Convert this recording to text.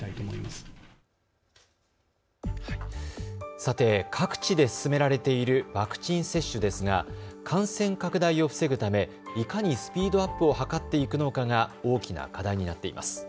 さて、各地で進められているワクチン接種ですが感染拡大を防ぐためいかにスピードアップを図っていくのかが大きな課題になっています。